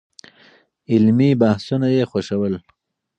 علمي بحثونه يې خوښول.